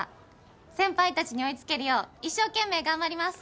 先輩たちに追い付けるよう一生懸命頑張ります。